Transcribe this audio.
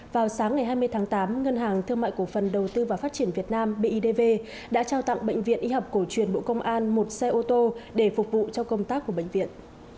vào sáng ngày hai mươi tháng tám ngân hàng thương mại cổ phần đầu tư và phát triển việt nam bidv đã trao tặng bệnh viện y học cổ truyền bộ công an một xe ô tô để phục vụ cho công tác của bệnh viện